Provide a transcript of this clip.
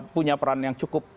punya peran yang cukup